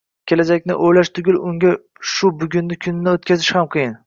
Kelajakni o‘ylash tugul unga shu bugungi kunini o‘tkazish ham qiyin.